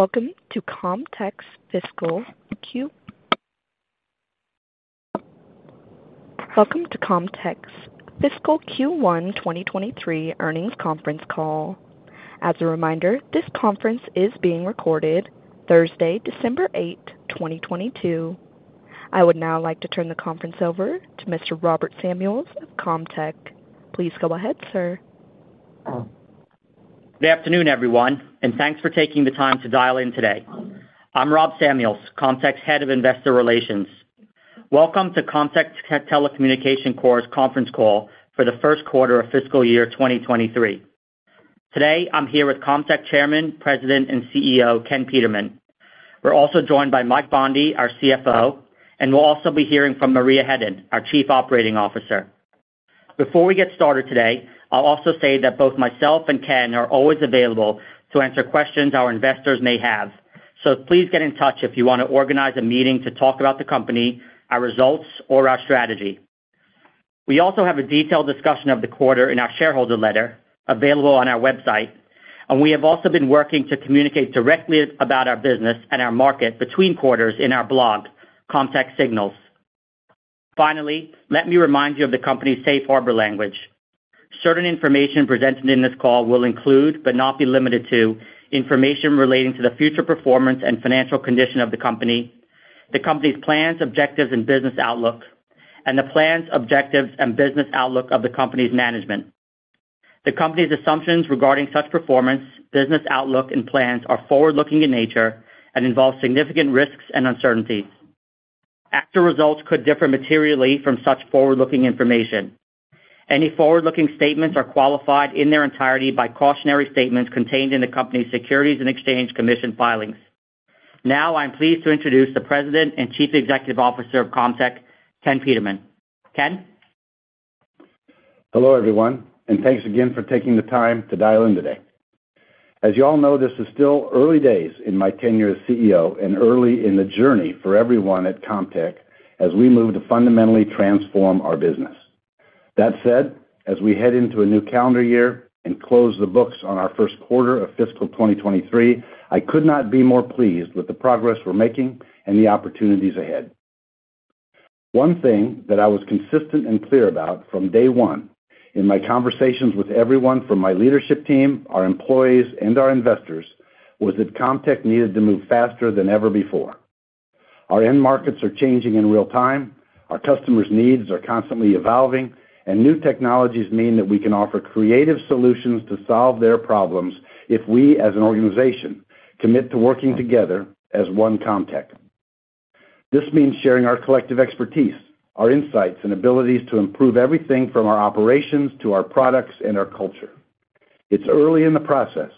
Welcome to Comtech's Fiscal Q1 2023 earnings conference call. As a reminder, this conference is being recorded Thursday, December 8th, 2022. I would now like to turn the conference over to Mr. Robert Samuels of Comtech. Please go ahead, sir. Good afternoon, everyone, and thanks for taking the time to dial in today. I'm Rob Samuels, Comtech's Head of Investor Relations. Welcome to Comtech Telecommunications Corp's conference call for the first quarter of fiscal year 2023. Today I'm here with Comtech Chairman, President, and CEO, Ken Peterman. We're also joined by Mike Bondy, our CFO, and we'll also be hearing from Maria Hedden, our Chief Operating Officer. Before we get started today, I'll also say that both myself and Ken are always available to answer questions our investors may have. Please get in touch if you wanna organize a meeting to talk about the company, our results or our strategy. We also have a detailed discussion of the quarter in our shareholder letter available on our website. We have also been working to communicate directly about our business and our market between quarters in our blog, Comtech Signals. Finally, let me remind you of the company's safe harbor language. Certain information presented in this call will include, but not be limited to, information relating to the future performance and financial condition of the company, the company's plans, objectives, and business outlook, and the plans, objectives, and business outlook of the company's management. The company's assumptions regarding such performance, business outlook, and plans are forward-looking in nature and involve significant risks and uncertainties. Actual results could differ materially from such forward-looking information. Any forward-looking statements are qualified in their entirety by cautionary statements contained in the company's Securities and Exchange Commission filings. I'm pleased to introduce the President and Chief Executive Officer of Comtech, Ken Peterman. Ken? Hello, everyone, thanks again for taking the time to dial in today. As you all know, this is still early days in my tenure as CEO and early in the journey for everyone at Comtech as we move to fundamentally transform our business. That said, as we head into a new calendar year and close the books on our first quarter of fiscal 2023, I could not be more pleased with the progress we're making and the opportunities ahead. One thing that I was consistent and clear about from day one in my conversations with everyone from my leadership team, our employees, and our investors, was that Comtech needed to move faster than ever before. Our end markets are changing in real time. Our customers' needs are constantly evolving, and new technologies mean that we can offer creative solutions to solve their problems if we, as an organization, commit to working together as One Comtech. This means sharing our collective expertise, our insights and abilities to improve everything from our operations to our products and our culture. It's early in the process,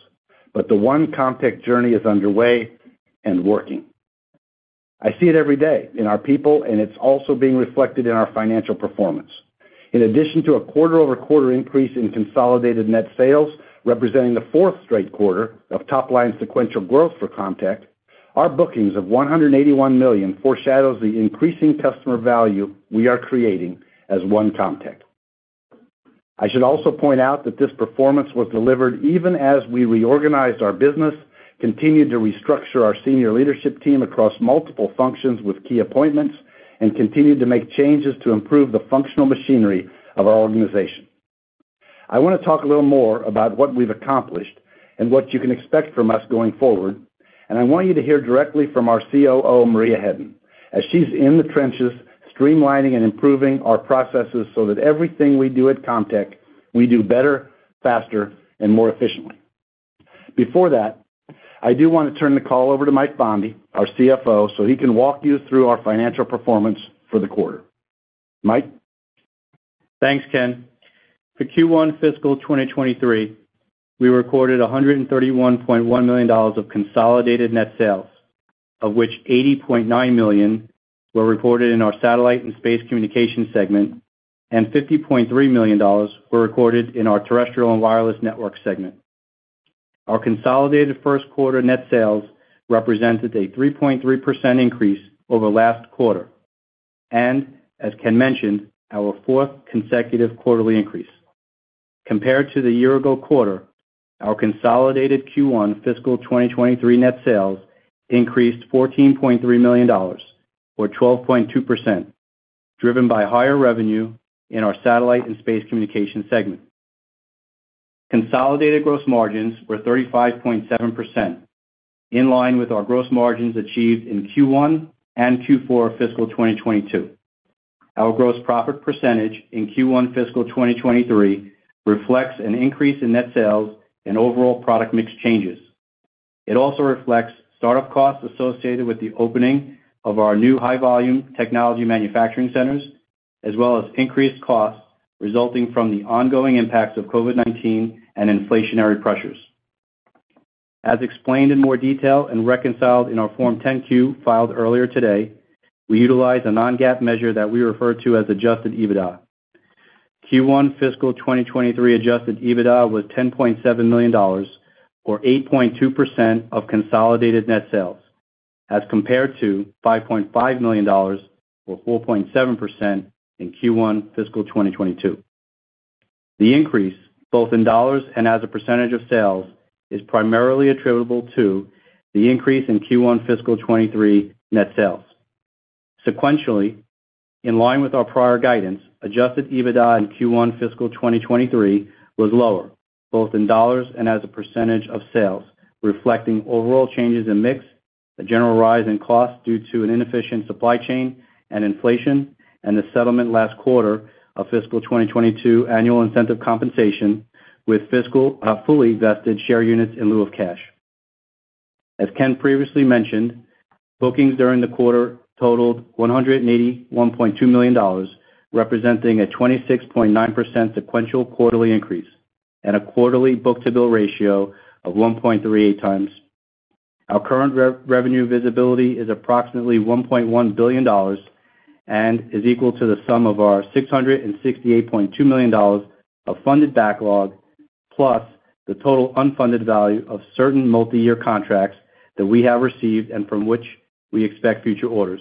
but the One Comtech journey is underway and working. I see it every day in our people, and it's also being reflected in our financial performance. In addition to a quarter-over-quarter increase in consolidated net sales, representing the fourth straight quarter of top-line sequential growth for Comtech, our bookings of $181 million foreshadows the increasing customer value we are creating as One Comtech. I should also point out that this performance was delivered even as we reorganized our business, continued to restructure our senior leadership team across multiple functions with key appointments, and continued to make changes to improve the functional machinery of our organization. I wanna talk a little more about what we've accomplished and what you can expect from us going forward, and I want you to hear directly from our COO, Maria Hedden, as she's in the trenches streamlining and improving our processes so that everything we do at Comtech, we do better, faster, and more efficiently. Before that, I do wanna turn the call over to Michael Bondi, our CFO, so he can walk you through our financial performance for the quarter. Mike? Thanks, Ken. For Q1 fiscal 2023, we recorded $131.1 million of consolidated net sales, of which $80.9 million were recorded in our Satellite and Space Communications segment and $50.3 million were recorded in our Terrestrial and Wireless Networks segment. Our consolidated first quarter net sales represented a 3.3% increase over last quarter and, as Ken mentioned, our fourth consecutive quarterly increase. Compared to the year ago quarter, our consolidated Q1 fiscal 2023 net sales increased $14.3 million or 12.2%, driven by higher revenue in our Satellite and Space Communications segment. Consolidated gross margins were 35.7%, in line with our gross margins achieved in Q1 and Q4 fiscal 2022. Our gross profit percentage in Q1 fiscal 2023 reflects an increase in net sales and overall product mix changes. It also reflects start-up costs associated with the opening of our new high-volume technology manufacturing centers, as well as increased costs resulting from the ongoing impacts of COVID-19 and inflationary pressures. As explained in more detail and reconciled in our Form 10-Q filed earlier today, we utilized a non-GAAP measure that we refer to as adjusted EBITDA. Q1 fiscal 2023 adjusted EBITDA was $10.7 million or 8.2% of consolidated net sales as compared to $5.5 million or 4.7% in Q1 fiscal 2022. The increase both in dollars and as a percentage of sales is primarily attributable to the increase in Q1 fiscal 2023 net sales. Sequentially, in line with our prior guidance, adjusted EBITDA in Q1 fiscal 2023 was lower, both in dollars and as a percentage of sales, reflecting overall changes in mix, a general rise in costs due to an inefficient supply chain and inflation, and the settlement last quarter of fiscal 2022 annual incentive compensation with fiscal fully vested share units in lieu of cash. As Ken previously mentioned, bookings during the quarter totaled $181.2 million, representing a 26.9% sequential quarterly increase and a quarterly book-to-bill ratio of 1.38x. Our current revenue visibility is approximately $1.1 billion and is equal to the sum of our $668.2 million of funded backlog plus the total unfunded value of certain multiyear contracts that we have received and from which we expect future orders.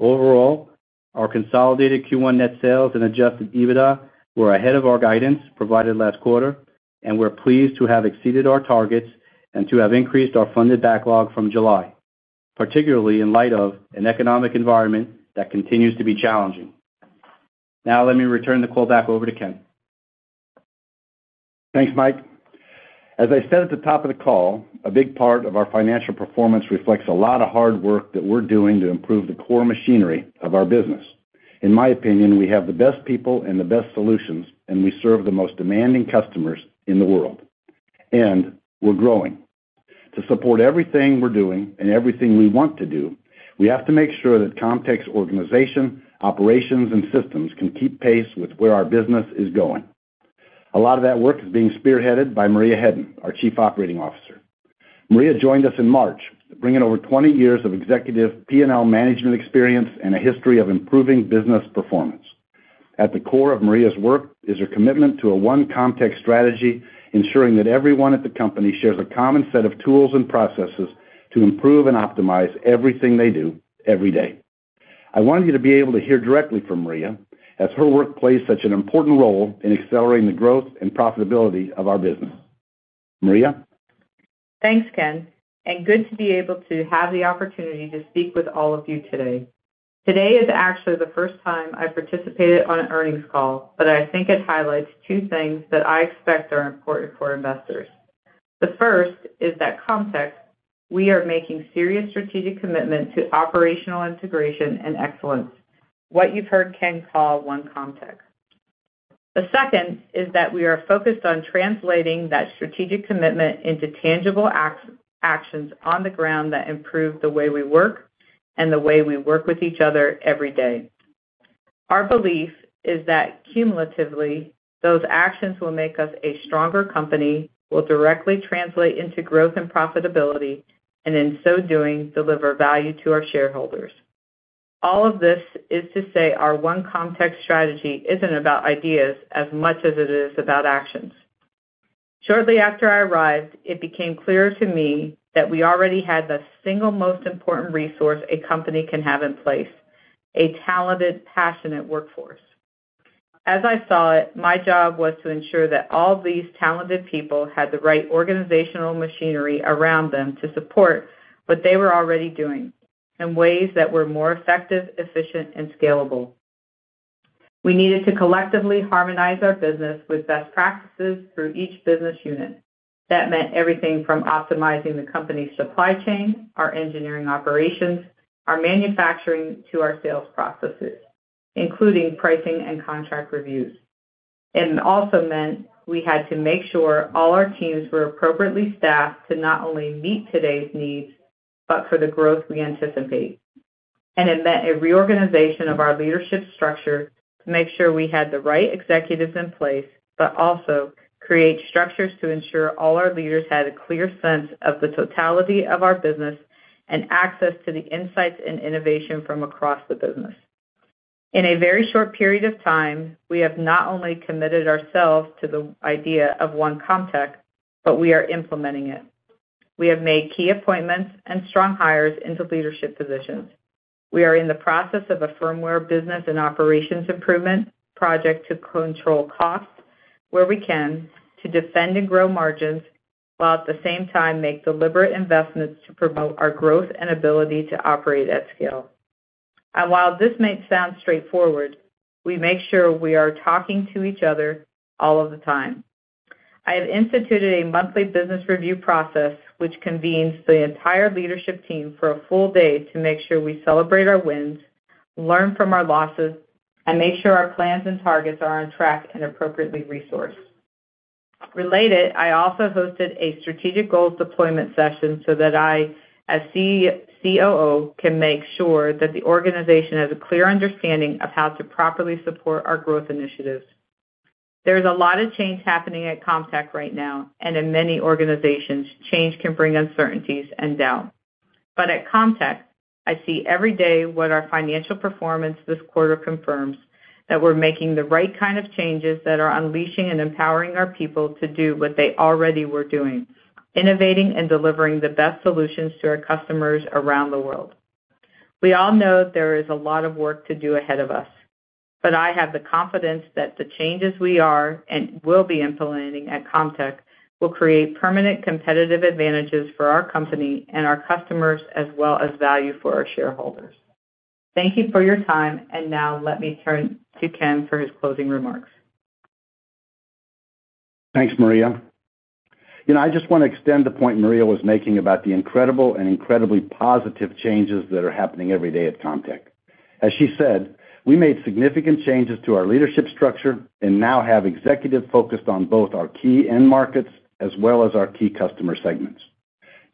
Overall, our consolidated Q1 net sales and adjusted EBITDA were ahead of our guidance provided last quarter, and we're pleased to have exceeded our targets and to have increased our funded backlog from July, particularly in light of an economic environment that continues to be challenging. Let me return the call back over to Ken. Thanks, Mike Bondi. As I said at the top of the call, a big part of our financial performance reflects a lot of hard work that we're doing to improve the core machinery of our business. In my opinion, we have the best people and the best solutions, we serve the most demanding customers in the world, and we're growing. To support everything we're doing and everything we want to do, we have to make sure that Comtech's organization, operations, and systems can keep pace with where our business is going. A lot of that work is being spearheaded by Maria Hedden, our Chief Operating Officer. Maria joined us in March, bringing over 20 years of executive P&L management experience and a history of improving business performance. At the core of Maria's work is her commitment to a One Comtech strategy, ensuring that everyone at the company shares a common set of tools and processes to improve and optimize everything they do every day. I want you to be able to hear directly from Maria, as her work plays such an important role in accelerating the growth and profitability of our business. Maria. Thanks, Ken. Good to be able to have the opportunity to speak with all of you today. Today is actually the first time I participated on an earnings call. I think it highlights two things that I expect are important for investors. The first is at Comtech, we are making serious strategic commitment to operational integration and excellence. What you've heard Ken call One Comtech. The second is that we are focused on translating that strategic commitment into tangible actions on the ground that improve the way we work and the way we work with each other every day. Our belief is that cumulatively, those actions will make us a stronger company, will directly translate into growth and profitability, and in so doing, deliver value to our shareholders. All of this is to say our One Comtech strategy isn't about ideas as much as it is about actions. Shortly after I arrived, it became clear to me that we already had the single most important resource a company can have in place, a talented, passionate workforce. As I saw it, my job was to ensure that all these talented people had the right organizational machinery around them to support what they were already doing in ways that were more effective, efficient, and scalable. We needed to collectively harmonize our business with best practices through each business unit. That meant everything from optimizing the company's supply chain, our engineering operations, our manufacturing, to our sales processes, including pricing and contract reviews. It also meant we had to make sure all our teams were appropriately staffed to not only meet today's needs, but for the growth we anticipate. It meant a reorganization of our leadership structure to make sure we had the right executives in place, but also create structures to ensure all our leaders had a clear sense of the totality of our business and access to the insights and innovation from across the business. In a very short period of time, we have not only committed ourselves to the idea of One Comtech, but we are implementing it. We have made key appointments and strong hires into leadership positions. We are in the process of a firmware business and operations improvement project to control costs where we can to defend and grow margins, while at the same time make deliberate investments to promote our growth and ability to operate at scale. While this may sound straightforward, we make sure we are talking to each other all of the time. I have instituted a monthly business review process which convenes the entire leadership team for a full day to make sure we celebrate our wins, learn from our losses, and make sure our plans and targets are on track and appropriately resourced. Related, I also hosted a strategic goals deployment session so that I, as COO, can make sure that the organization has a clear understanding of how to properly support our growth initiatives. There is a lot of change happening at Comtech right now, and in many organizations, change can bring uncertainties and doubt. At Comtech, I see every day what our financial performance this quarter confirms, that we're making the right kind of changes that are unleashing and empowering our people to do what they already were doing, innovating and delivering the best solutions to our customers around the world. We all know there is a lot of work to do ahead of us. I have the confidence that the changes we are and will be implementing at Comtech will create permanent competitive advantages for our company and our customers as well as value for our shareholders. Thank you for your time. Now let me turn to Ken for his closing remarks. Thanks, Maria. You know, I just want to extend the point Maria was making about the incredible and incredibly positive changes that are happening every day at Comtech. As she said, we made significant changes to our leadership structure and now have executives focused on both our key end markets as well as our key customer segments.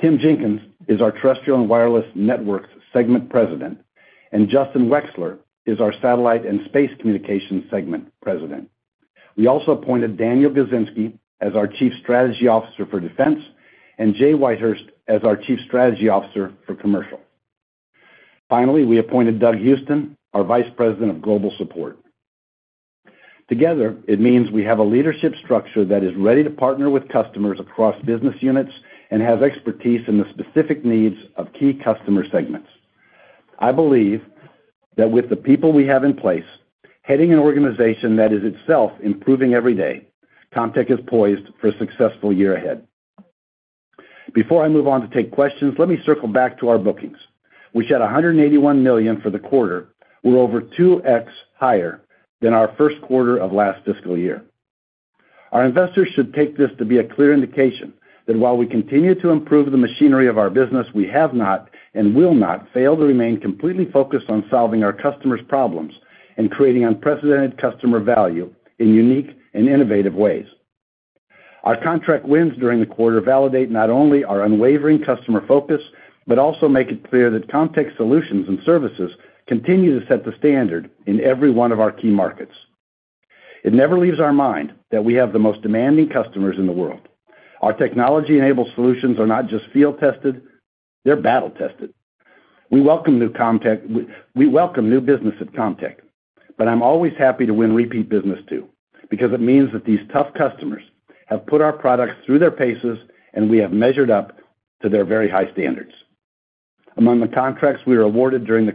Tim Jenkins is our Terrestrial and Wireless Networks segment President, and Justin Wechsler is our Satellite and Space Communications segment President. We also appointed Daniel Gizinski as our Chief Strategy Officer for Defense and Jay Whitehurst as our Chief Strategy Officer for Commercial. Finally, we appointed Doug Houston, our Vice President of Global Support. Together, it means we have a leadership structure that is ready to partner with customers across business units and has expertise in the specific needs of key customer segments. I believe that with the people we have in place, heading an organization that is itself improving every day, Comtech is poised for a successful year ahead. Before I move on to take questions, let me circle back to our bookings, which at $181 million for the quarter, were over 2x higher than our first quarter of last fiscal year. Our investors should take this to be a clear indication that while we continue to improve the machinery of our business, we have not and will not fail to remain completely focused on solving our customers' problems and creating unprecedented customer value in unique and innovative ways. Our contract wins during the quarter validate not only our unwavering customer focus, but also make it clear that Comtech solutions and services continue to set the standard in every one of our key markets. It never leaves our mind that we have the most demanding customers in the world. Our technology-enabled solutions are not just field-tested, they're battle-tested. We welcome new business at Comtech. I'm always happy to win repeat business too, because it means that these tough customers have put our products through their paces, and we have measured up to their very high standards. Among the contracts we were awarded during the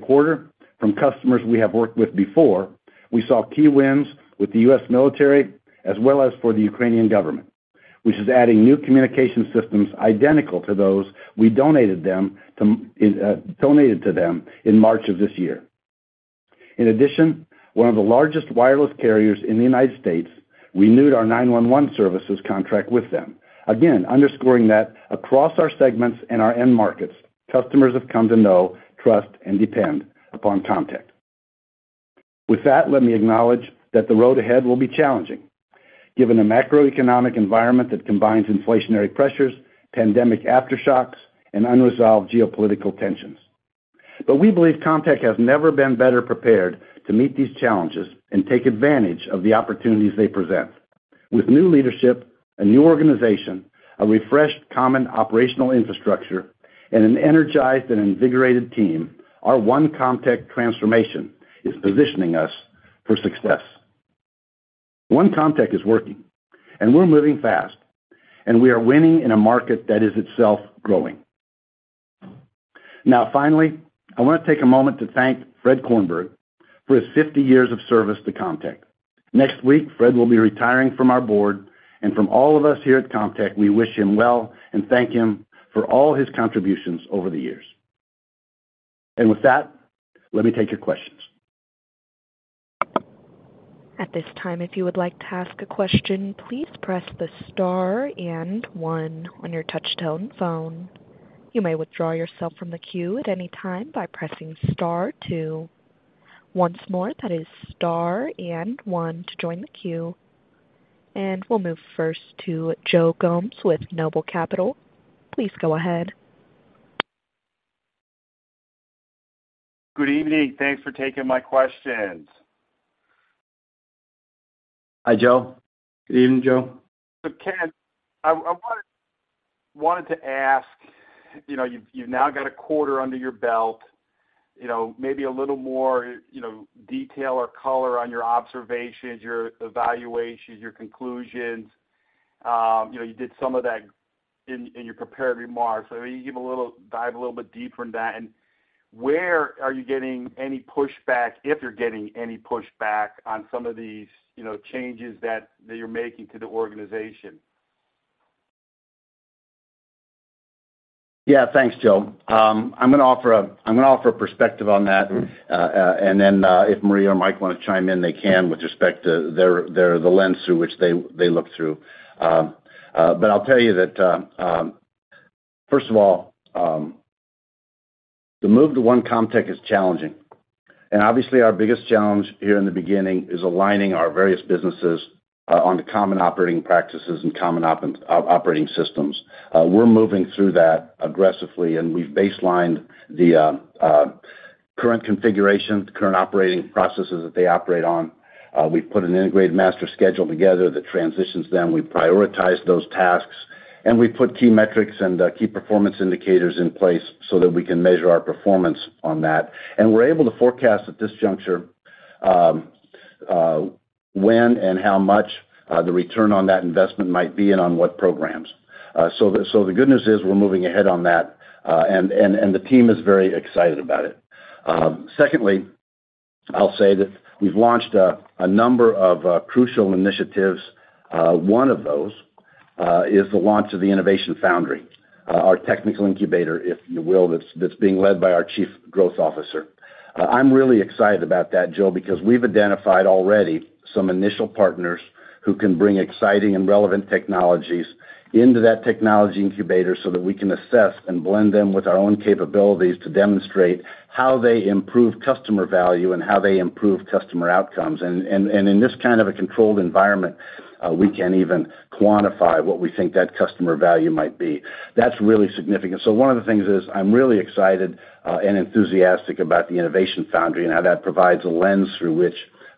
quarter from customers we have worked with before, we saw key wins with the U.S. military as well as for the Ukrainian government, which is adding new communication systems identical to those we donated to them in March of this year. One of the largest wireless carriers in the United States renewed our 911 services contract with them, again, underscoring that across our segments and our end markets, customers have come to know, trust, and depend upon Comtech. With that, let me acknowledge that the road ahead will be challenging given a macroeconomic environment that combines inflationary pressures, pandemic aftershocks, and unresolved geopolitical tensions. We believe Comtech has never been better prepared to meet these challenges and take advantage of the opportunities they present. With new leadership, a new organization, a refreshed common operational infrastructure, and an energized and invigorated team, our One Comtech transformation is positioning us for success. One Comtech is working, and we're moving fast, and we are winning in a market that is itself growing. Now, finally, I want to take a moment to thank Fred Kornberg for his 50 years of service to Comtech. Next week, Fred will be retiring from our board and from all of us here at Comtech, we wish him well and thank him for all his contributions over the years. With that, let me take your questions. At this time, if you would like to ask a question, please press the star and one on your touchtone phone. You may withdraw yourself from the queue at any time by pressing star two. Once more, that is star and one to join the queue. We'll move first to Joe Gomes with Noble Capital. Please go ahead. Good evening. Thanks for taking my questions. Hi, Joe. Good evening, Joe. Ken, I wanted to ask, you know, you've now got a quarter under your belt, you know, maybe a little more, you know, detail or color on your observations, your evaluations, your conclusions. You know, you did some of that in your prepared remarks. You dive a little bit deeper into that. Where are you getting any pushback, if you're getting any pushback on some of these, you know, changes that you're making to the organization? Yeah. Thanks, Joe. I'm gonna offer a perspective on that. If Maria or Mike wanna chime in, they can with respect to their the lens through which they look through. I'll tell you that, first of all, the move to One Comtech is challenging, and obviously our biggest challenge here in the beginning is aligning our various businesses, on the common operating practices and common operating systems. We're moving through that aggressively, and we've baselined the current configurations, the current operating processes that they operate on. We've put an integrated master schedule together that transitions them. We prioritize those tasks, and we put key metrics and key performance indicators in place so that we can measure our performance on that. We're able to forecast at this juncture, when and how much the return on that investment might be and on what programs. The good news is we're moving ahead on that, and the team is very excited about it. Secondly, I'll say that we've launched a number of crucial initiatives. One of those is the launch of the Innovation Foundry, our technical incubator, if you will, that's being led by our chief growth officer. I'm really excited about that, Joe, because we've identified already some initial partners who can bring exciting and relevant technologies into that technology incubator so that we can assess and blend them with our own capabilities to demonstrate how they improve customer value and how they improve customer outcomes. In this kind of a controlled environment, we can even quantify what we think that customer value might be. That's really significant. One of the things is I'm really excited and enthusiastic about the Innovation Foundry and how that provides a lens through which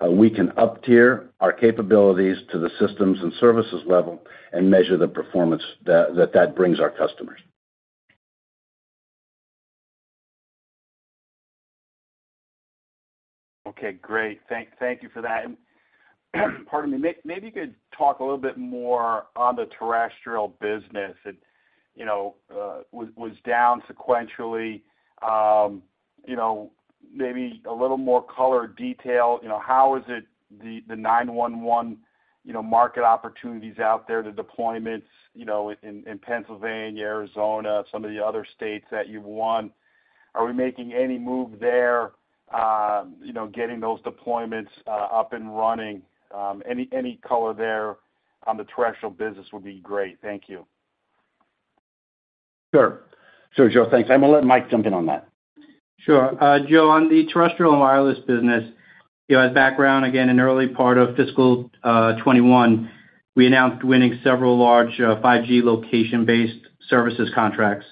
we can up-tier our capabilities to the systems and services level and measure the performance that brings our customers. Okay, great. Thank you for that. Pardon me. Maybe you could talk a little bit more on the terrestrial business. It, you know, was down sequentially. You know, maybe a little more color or detail, you know, how is it the 911, you know, market opportunities out there, the deployments, you know, in Pennsylvania, Arizona, some of the other states that you've won? Are we making any move there, you know, getting those deployments up and running? Any color there on the terrestrial business would be great. Thank you. Sure. Sure, Joe, thanks. I'm gonna let Mike jump in on that. Sure. Joe, on the Terrestrial and Wireless Networks business, you know, as background, again, in early part of fiscal 2021, we announced winning several large 5G location-based services contracts.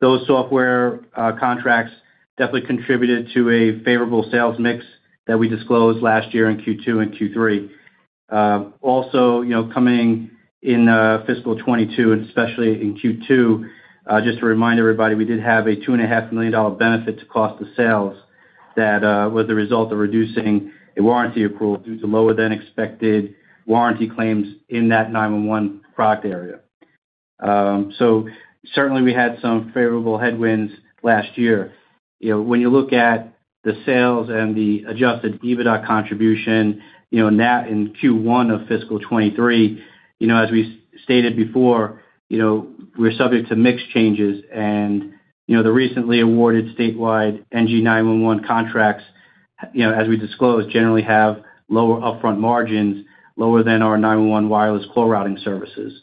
Those software contracts definitely contributed to a favorable sales mix that we disclosed last year in Q2 and Q3. Also, you know, coming in fiscal 2022, and especially in Q2, just to remind everybody, we did have a $2.5 million benefit to cost of sales that was the result of reducing a warranty accrual due to lower than expected warranty claims in that 911 product area. Certainly we had some favorable headwinds last year. You know, when you look at the sales and the adjusted EBITDA contribution, you know, in Q1 of fiscal 2023, you know, as we stated before, you know, we're subject to mix changes and, you know, the recently awarded statewide NG911 contracts, you know, as we disclosed, generally have lower upfront margins, lower than our 911 wireless call routing services.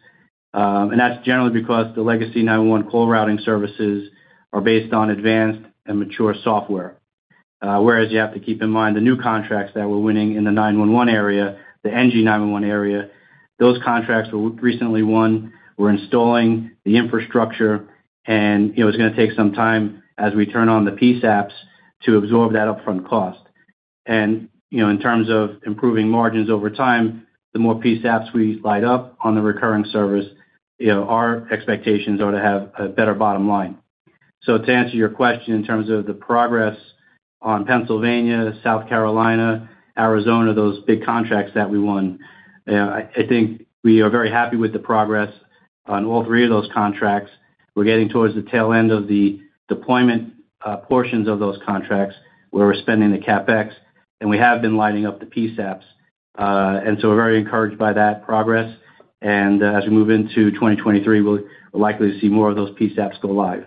That's generally because the legacy 911 call routing services are based on advanced and mature software. You have to keep in mind the new contracts that we're winning in the 911 area, the NG911 one area, those contracts were recently won. We're installing the infrastructure and, you know, it's gonna take some time as we turn on the PSAPs to absorb that upfront cost. You know, in terms of improving margins over time, the more PSAPs we light up on the recurring service, you know, our expectations are to have a better bottom line. To answer your question in terms of the progress on Pennsylvania, South Carolina, Arizona, those big contracts that we won, I think we are very happy with the progress on all three of those contracts. We're getting towards the tail end of the deployment, portions of those contracts, where we're spending the CapEx, and we have been lighting up the PSAPs. We're very encouraged by that progress. As we move into 2023, we're likely to see more of those PSAPs go live.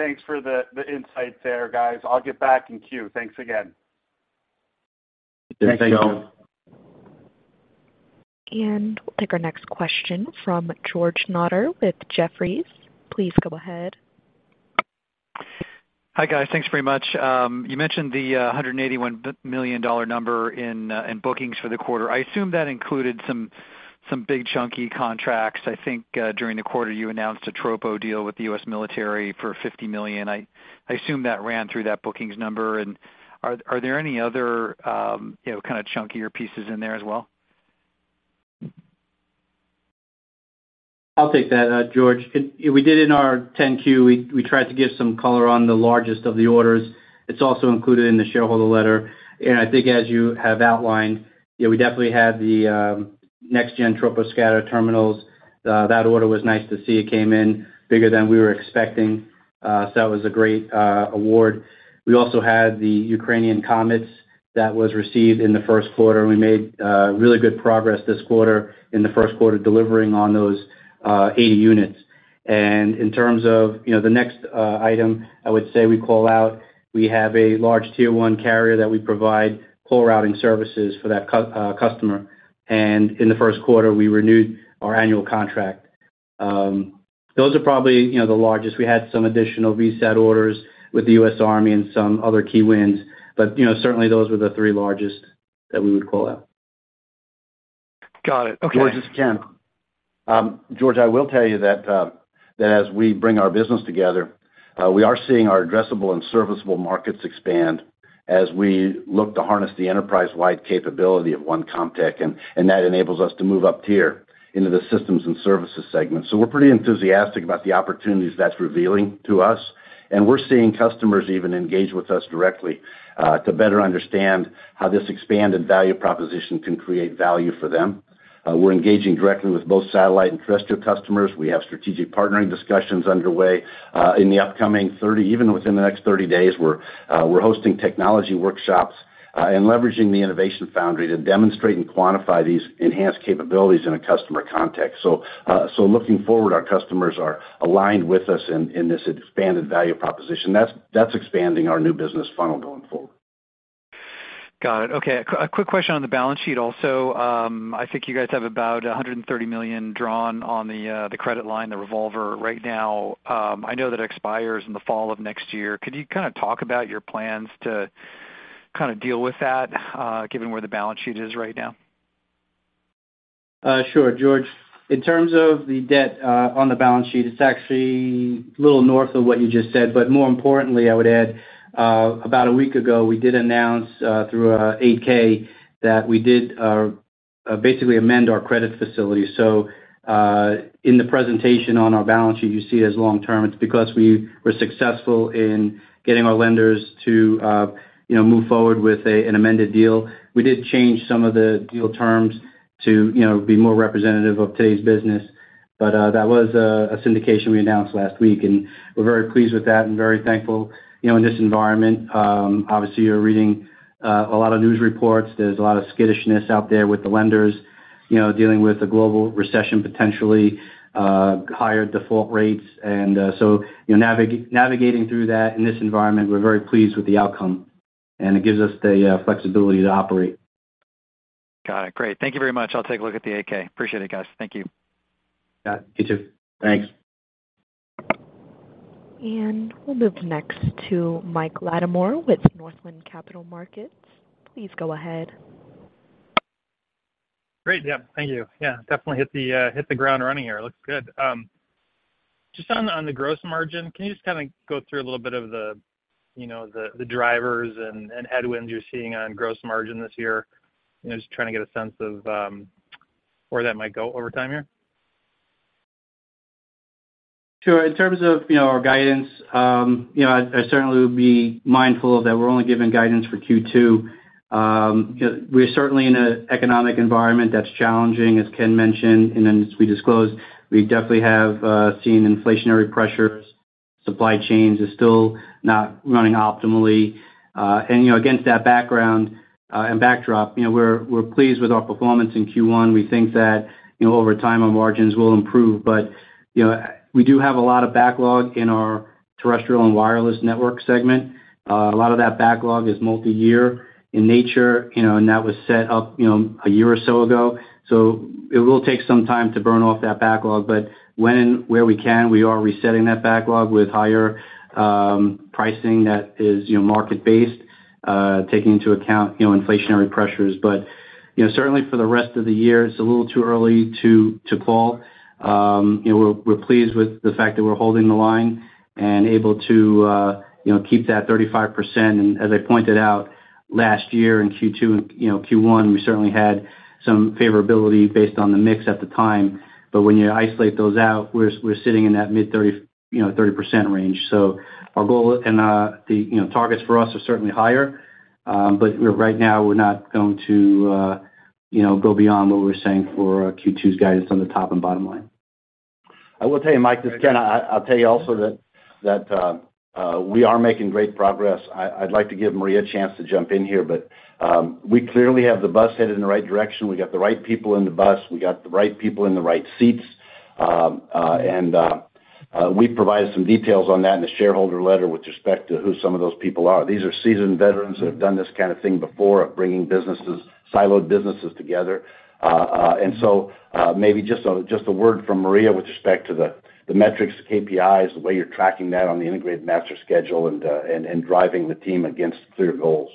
Great. Thanks for the insight there, guys. I'll get back in queue. Thanks again. Thank you. Thanks, Joe. We'll take our next question from George Notter with Jefferies. Please go ahead. Hi, guys. Thanks very much. You mentioned the $181 million number in bookings for the quarter. I assume that included some big chunky contracts. I think, during the quarter, you announced a Tropo deal with the U.S. military for $50 million. I assume that ran through that bookings number. Are there any other, you know, kind of chunkier pieces in there as well? I'll take that, George. We did in our 10-Q, we tried to give some color on the largest of the orders. It's also included in the shareholder letter. I think as you have outlined, you know, we definitely had the Next Generation Troposcatter terminals. That order was nice to see. It came in bigger than we were expecting. That was a great award. We also had the Ukrainian COMET that was received in the first quarter, we made really good progress this quarter, in the first quarter, delivering on those 80 units. In terms of, you know, the next item I would say we call out, we have a large tier one carrier that we provide call routing services for that customer. In the first quarter, we renewed our annual contract. Those are probably, you know, the largest. We had some additional VSAT orders with the U.S. Army and some other key wins, you know, certainly those were the three largest that we would call out. Got it. Okay. George, this is Ken. George, I will tell you that as we bring our business together, we are seeing our addressable and serviceable markets expand. As we look to harness the enterprise-wide capability of One Comtech, and that enables us to move up tier into the systems and services segment. We're pretty enthusiastic about the opportunities that's revealing to us, and we're seeing customers even engage with us directly, to better understand how this expanded value proposition can create value for them. We're engaging directly with both satellite and terrestrial customers. We have strategic partnering discussions underway. In the upcoming 30 days, we're hosting technology workshops, and leveraging the Innovation Foundry to demonstrate and quantify these enhanced capabilities in a customer context. Looking forward, our customers are aligned with us in this expanded value proposition. That's expanding our new business funnel going forward. Got it. Okay. Quick question on the balance sheet also. I think you guys have about $130 million drawn on the credit line, the revolver right now. I know that expires in the fall of next year. Could you kinda talk about your plans to kinda deal with that, given where the balance sheet is right now? Sure, George. In terms of the debt on the balance sheet, it's actually a little north of what you just said. More importantly, I would add about a week ago, we did announce through 8-K that we did basically amend our credit facility. In the presentation on our balance sheet, you see it as long term. It's because we were successful in getting our lenders to, you know, move forward with an amended deal. We did change some of the deal terms to, you know, be more representative of today's business, but that was a syndication we announced last week, and we're very pleased with that and very thankful. You know, in this environment, obviously, you're reading a lot of news reports. There's a lot of skittishness out there with the lenders, you know, dealing with the global recession, potentially, higher default rates. You're navigating through that in this environment, we're very pleased with the outcome, and it gives us the flexibility to operate. Got it. Great. Thank you very much. I'll take a look at the 8-K. Appreciate it, guys. Thank you. Yeah, you too. Thanks. We'll move next to Mike Latimore with Northland Capital Markets. Please go ahead. Great. Yeah. Thank you. Yeah, definitely hit the ground running here. Looks good. Just on the gross margin, can you just kinda go through a little bit of the, you know, the drivers and headwinds you're seeing on gross margin this year? You know, just trying to get a sense of where that might go over time here. Sure. In terms of, you know, our guidance, you know, I certainly would be mindful that we're only giving guidance for Q2. We're certainly in an economic environment that's challenging, as Ken mentioned, and then as we disclosed, we definitely have seen inflationary pressures. Supply chains are still not running optimally. You know, against that background, and backdrop, you know, we're pleased with our performance in Q1. We think that, you know, over time, our margins will improve. We do have a lot of backlog in our Terrestrial and Wireless Networks segment. A lot of that backlog is multi-year in nature, you know, and that was set up, you know, a year or so ago. It will take some time to burn off that backlog, but when and where we can, we are resetting that backlog with higher pricing that is, you know, market-based, taking into account, you know, inflationary pressures. You know, certainly for the rest of the year, it's a little too early to call. You know, we're pleased with the fact that we're holding the line and able to, you know, keep that 35%. As I pointed out, last year in Q2 and, you know, Q1, we certainly had some favorability based on the mix at the time. When you isolate those out, we're sitting in that mid-30%, you know, 30% range. Our goal and, the, you know, targets for us are certainly higher. Right now we're not going to, you know, go beyond what we're saying for Q2's guidance on the top and bottom line. I will tell you, Mike, this is Ken. I'll tell you also that we are making great progress. I'd like to give Maria Hedden a chance to jump in here, but we clearly have the bus headed in the right direction. We got the right people in the bus. We got the right people in the right seats. We've provided some details on that in the shareholder letter with respect to who some of those people are. These are seasoned veterans that have done this kind of thing before of bringing businesses, siloed businesses together. Maybe just a word from Maria Hedden with respect to the metrics, KPIs, the way you're tracking that on the integrated master schedule and driving the team against clear goals.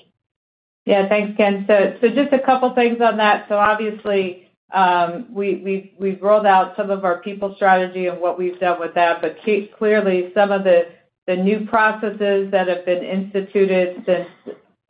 Thanks, Ken. Just a couple things on that. Obviously, we've rolled out some of our people strategy and what we've done with that. Clearly, some of the new processes that have been instituted since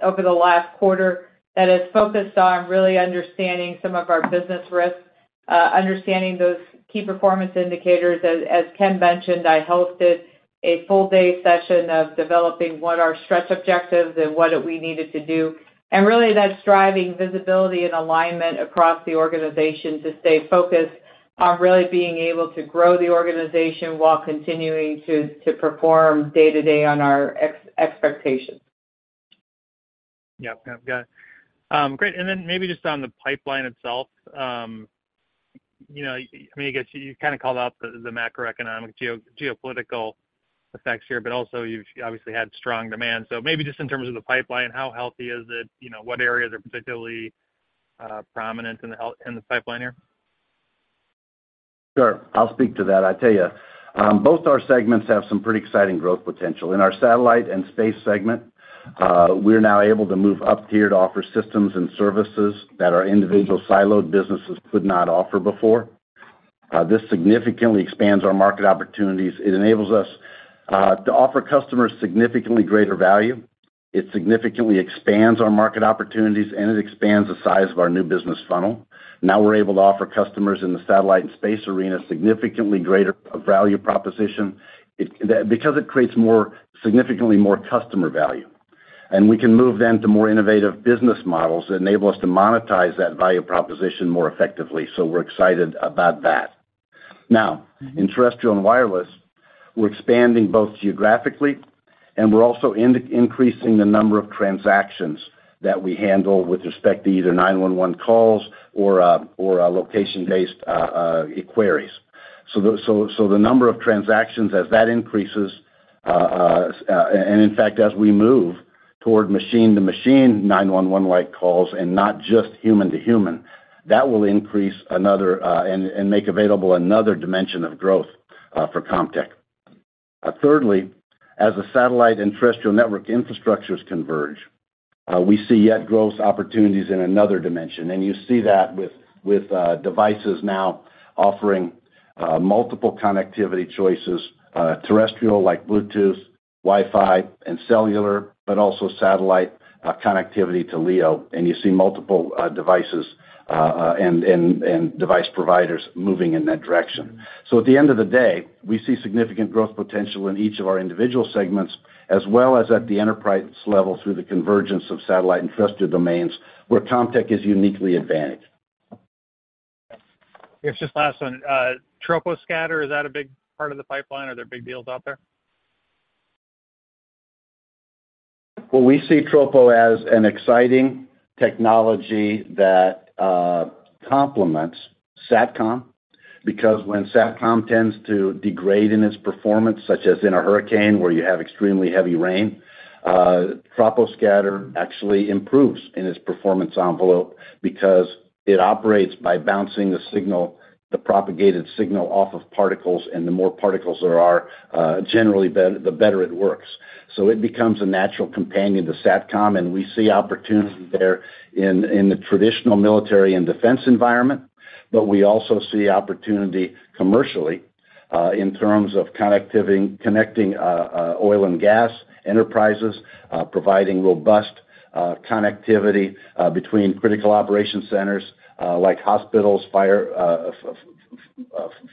over the last quarter that is focused on really understanding some of our business risks, understanding those Key Performance Indicators. As Ken mentioned, I hosted a full day session of developing what are stretch objectives and what do we needed to do, and really that's driving visibility and alignment across the organization to stay focused on really being able to grow the organization while continuing to perform day-to-day on our expectations. Yeah. Got it. Great. Then maybe just on the pipeline itself, you know, I mean, I guess you kinda called out the macroeconomic geopolitical effects here. Also you've obviously had strong demand. Maybe just in terms of the pipeline, how healthy is it? You know, what areas are particularly prominent in this pipeline here? Sure. I'll speak to that. I tell you, both our segments have some pretty exciting growth potential. In our Satellite and Space segment, we're now able to move up tier to offer systems and services that our individual siloed businesses could not offer before. This significantly expands our market opportunities. It enables us to offer customers significantly greater value. It significantly expands our market opportunities, and it expands the size of our new business funnel. Now we're able to offer customers in the Satellite and Space arena significantly greater value proposition because it creates significantly more customer value. We can move then to more innovative business models that enable us to monetize that value proposition more effectively. We're excited about that. In terrestrial and wireless, we're expanding both geographically, and we're also increasing the number of transactions that we handle with respect to either 911 calls or a location-based queries. The number of transactions, as that increases, and in fact, as we move toward machine-to-machine 911-like calls and not just human to human, that will increase another and make available another dimension of growth for Comtech. Thirdly, as the satellite and terrestrial network infrastructures converge, we see yet growth opportunities in another dimension. You see that with devices now offering multiple connectivity choices, terrestrial like Bluetooth, Wi-Fi, and cellular, but also satellite connectivity to LEO, and you see multiple devices and device providers moving in that direction. At the end of the day, we see significant growth potential in each of our individual segments as well as at the enterprise level through the convergence of satellite and trusted domains where Comtech is uniquely advantaged. Yes, just last one. Troposcatter, is that a big part of the pipeline? Are there big deals out there? We see tropo as an exciting technology that complements Satcom, because when Satcom tends to degrade in its performance, such as in a hurricane where you have extremely heavy rain, Troposcatter actually improves in its performance envelope because it operates by bouncing the signal, the propagated signal off of particles, and the more particles there are, generally then the better it works. It becomes a natural companion to Satcom, we see opportunity there in the traditional military and defense environment, but we also see opportunity commercially, in terms of connectivity, connecting, oil and gas enterprises, providing robust connectivity between critical operation centers, like hospitals, fire,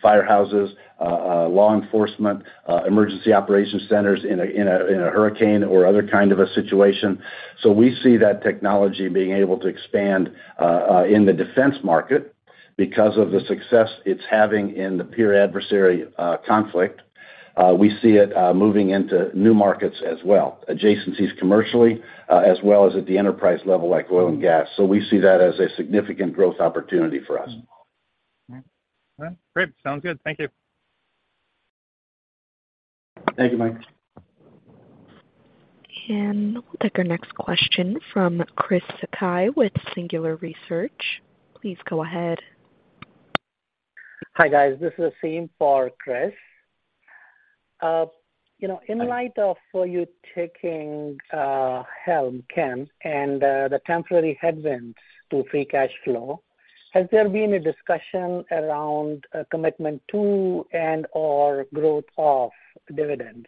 firehouses, law enforcement, emergency operation centers in a hurricane or other kind of a situation. We see that technology being able to expand in the defense market because of the success it's having in the peer adversary conflict. We see it moving into new markets as well, adjacencies commercially, as well as at the enterprise level, like oil and gas. We see that as a significant growth opportunity for us. All right. Great. Sounds good. Thank you. Thank you, Mike. We'll take our next question from Chris Sakai with Singular Research. Please go ahead. Hi, guys. This is Sim for Chris. You know, in light of you taking helm, Ken, and the temporary headwinds to free cash flow, has there been a discussion around a commitment to and/or growth of dividends?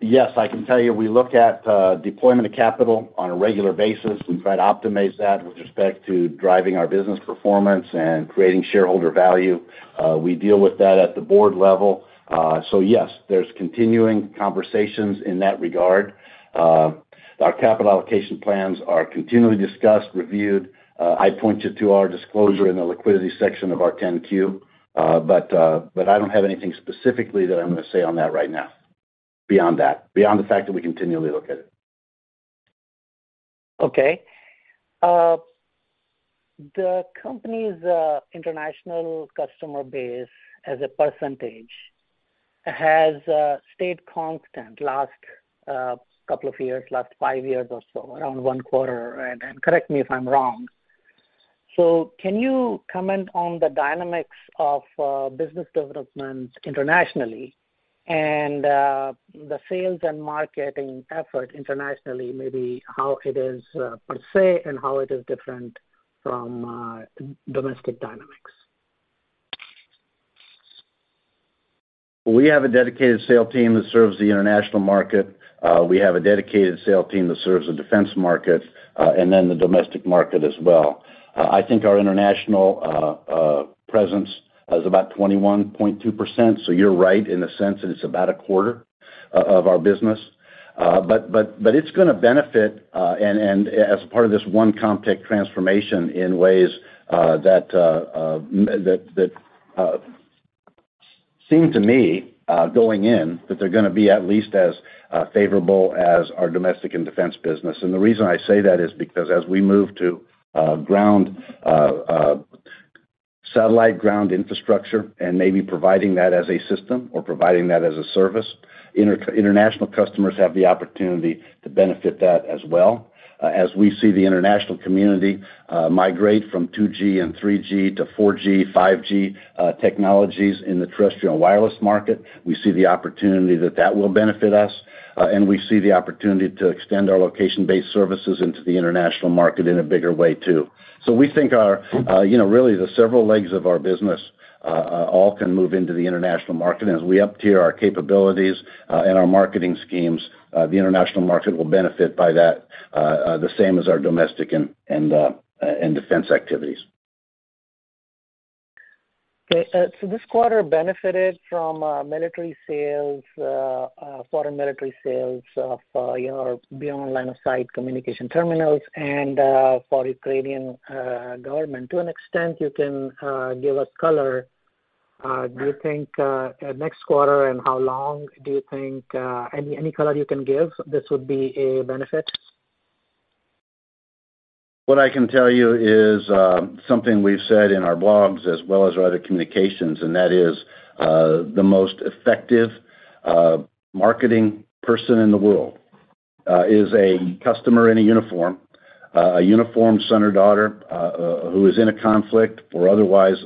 Yes, I can tell you we look at deployment of capital on a regular basis. We try to optimize that with respect to driving our business performance and creating shareholder value. We deal with that at the board level. Yes, there's continuing conversations in that regard. Our capital allocation plans are continually discussed, reviewed. I point you to our disclosure in the liquidity section of our Form 10-Q. I don't have anything specifically that I'm gonna say on that right now beyond that, beyond the fact that we continually look at it. Okay. The company's international customer base as a percentage has stayed constant last couple of years, last five years or so, around one quarter. Correct me if I'm wrong. Can you comment on the dynamics of business development internationally and the sales and marketing effort internationally, maybe how it is per se, and how it is different from domestic dynamics? We have a dedicated sales team that serves the international market. We have a dedicated sales team that serves the defense market and the domestic market as well. I think our international presence is about 21.2%. You're right in the sense that it's about a quarter of our business. It's gonna benefit as part of this One Comtech transformation in ways that seem to me going in, that they're gonna be at least as favorable as our domestic and defense business. The reason I say that is because as we move to ground satellite ground infrastructure and maybe providing that as a system or providing that as a service, international customers have the opportunity to benefit that as well. As we see the international community migrate from 2G and 3G to 4G, 5G technologies in the terrestrial and wireless market, we see the opportunity that that will benefit us, and we see the opportunity to extend our location-based services into the international market in a bigger way too. We think our, you know, really the several legs of our business, all can move into the international market. As we up tier our capabilities, and our marketing schemes, the international market will benefit by that, the same as our domestic and defense activities. Okay. This quarter benefited from, military sales, foreign military sales of, your beyond line of sight communication terminals and, for Ukrainian government. To an extent you can, give us color, do you think next quarter and how long do you think any color you can give, this would be a benefit? What I can tell you is something we've said in our blogs as well as our other communications, and that is the most effective marketing person in the world is a customer in a uniform. A uniformed son or daughter who is in a conflict or otherwise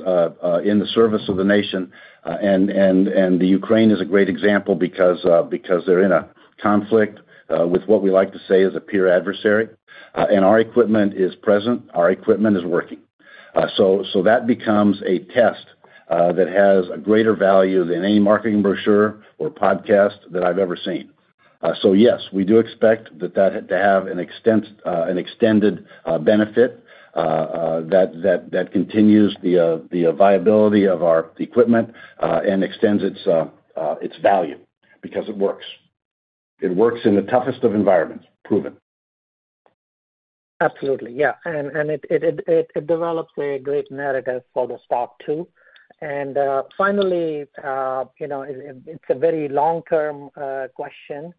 in the service of the nation. The Ukraine is a great example because they're in a conflict with what we like to say is a peer adversary. Our equipment is present, our equipment is working. That becomes a test that has a greater value than any marketing brochure or podcast that I've ever seen. Yes, we do expect that to have an extended benefit that continues the viability of our equipment and extends its value because it works. It works in the toughest of environments, proven. Absolutely, yeah. It develops a great narrative for the stock too. Finally, you know, it's a very long-term question.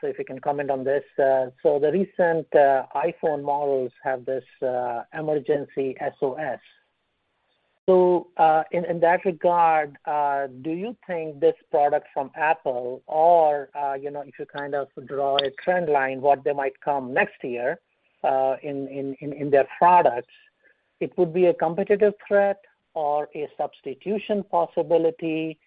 So if you can comment on this. The recent iPhone models have this emergency SOS. In that regard, do you think this product from Apple or, you know, if you kind of draw a trend line, what they might come next year, in their products, it would be a competitive threat or a substitution possibility,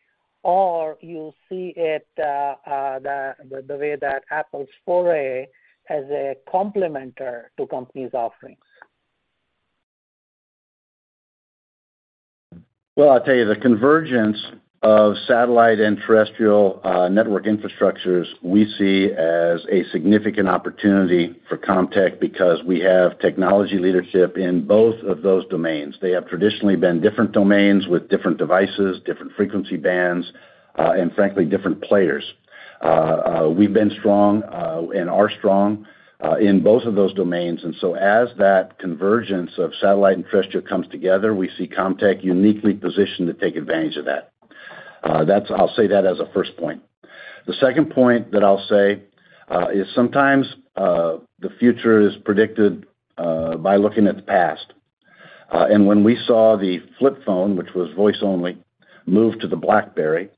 or you see it the way that Apple's foray as a complement to company's offerings? Well, I'll tell you the convergence of satellite and terrestrial network infrastructures, we see as a significant opportunity for Comtech because we have technology leadership in both of those domains. They have traditionally been different domains with different devices, different frequency bands, and frankly, different players. We've been strong and are strong in both of those domains. As that convergence of satellite and terrestrial comes together, we see Comtech uniquely positioned to take advantage of that. I'll say that as a first point. The second point that I'll say is sometimes the future is predicted by looking at the past. When we saw the flip phone, which was voice only, move to the BlackBerry,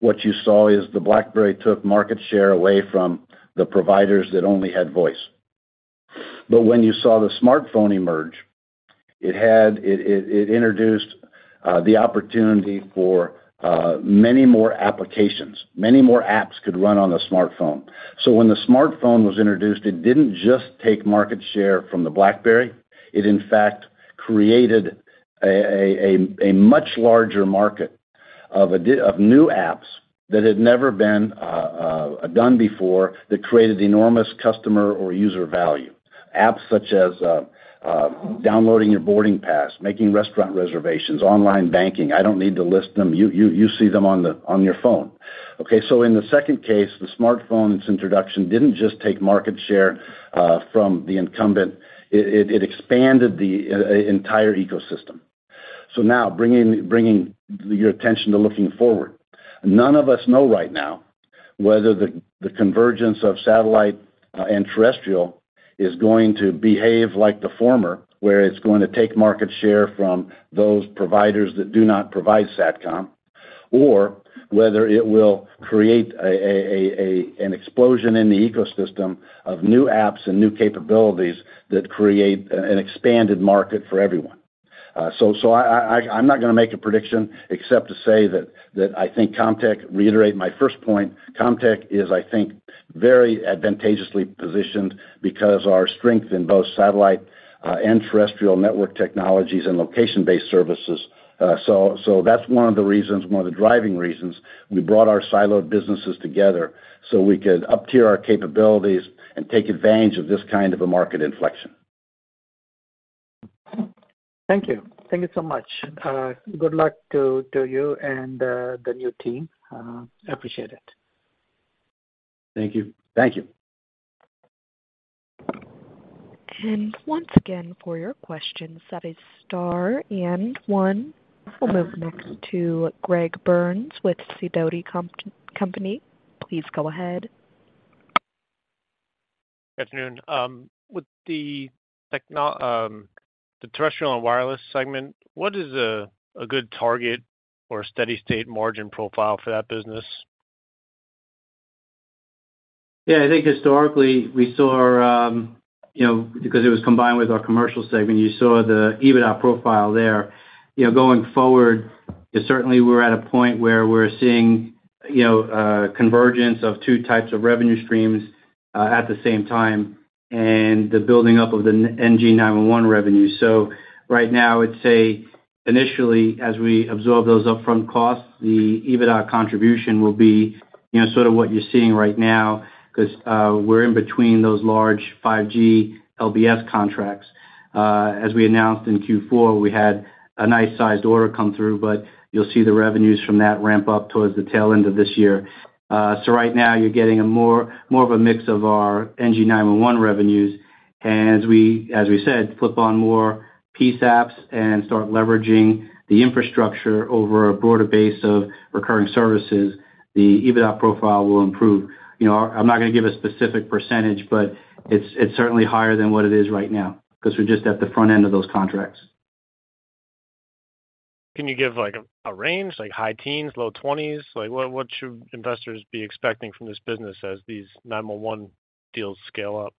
what you saw is the BlackBerry took market share away from the providers that only had voice. When you saw the smartphone emerge, it introduced the opportunity for many more applications. Many more apps could run on the smartphone. When the smartphone was introduced, it didn't just take market share from the BlackBerry. It, in fact, created a much larger market of new apps that had never been done before that created enormous customer or user value. Apps such as downloading your boarding pass, making restaurant reservations, online banking. I don't need to list them. You see them on the, on your phone. In the second case, the smartphone's introduction didn't just take market share from the incumbent, it expanded the entire ecosystem. Now bringing your attention to looking forward. None of us know right now whether the convergence of satellite and terrestrial is going to behave like the former, where it's going to take market share from those providers that do not provide Satcom, or whether it will create an explosion in the ecosystem of new apps and new capabilities that create an expanded market for everyone. So I'm not gonna make a prediction except to say that I think Comtech reiterate my first point. Comtech is, I think, very advantageously positioned because our strength in both satellite and terrestrial network technologies and location-based services. So that's one of the reasons, one of the driving reasons we brought our siloed businesses together so we could up tier our capabilities and take advantage of this kind of a market inflection. Thank you. Thank you so much. Good luck to you and the new team. Appreciate it. Thank you. Thank you. Once again, for your questions, that is star one. We'll move next to Greg Burns with Sidoti & Company. Please go ahead. Good afternoon. The Terrestrial and Wireless segment, what is a good target or steady-state margin profile for that business? Yeah, I think historically we saw, you know, because it was combined with our commercial segment, you saw the EBITDA profile there. You know, going forward, certainly we're at a point where we're seeing, you know, convergence of two types of revenue streams, at the same time and the building up of the NG911 revenue. Right now, I'd say initially, as we absorb those upfront costs, the EBITDA contribution will be, you know, sort of what you're seeing right now, 'cause we're in between those large 5G LBS contracts. As we announced in Q4, we had a nice sized order come through, but you'll see the revenues from that ramp up towards the tail end of this year. Right now you're getting a more of a mix of our NG911 revenues. As we said, flip on more PSAPs and start leveraging the infrastructure over a broader base of recurring services, the EBITDA profile will improve. You know, I'm not gonna give a specific percentage, but it's certainly higher than what it is right now 'cause we're just at the front end of those contracts. Can you give, like, a range, like high teens, low twenties? Like what should investors be expecting from this business as these 911 deals scale up?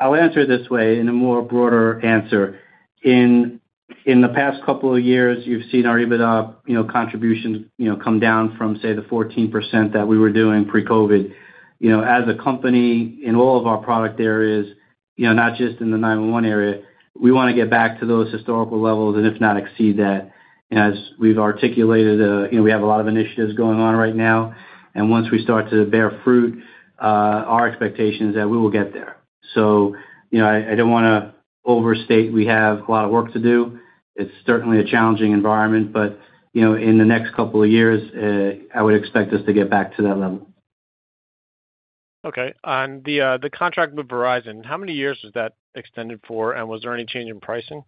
I'll answer it this way in a more broader answer. In the past couple of years, you've seen our EBITDA, you know, contributions, you know, come down from, say, the 14% that we were doing pre-COVID. You know, as a company in all of our product areas, you know, not just in the 911 area, we wanna get back to those historical levels and if not exceed that. As we've articulated, you know, we have a lot of initiatives going on right now, and once we start to bear fruit, our expectation is that we will get there. You know, I don't wanna overstate. We have a lot of work to do. It's certainly a challenging environment, but, you know, in the next couple of years, I would expect us to get back to that level. Okay. On the contract with Verizon, how many years was that extended for, and was there any change in pricing?